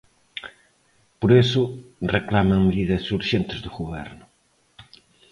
Por iso, reclaman medidas urxentes do Goberno.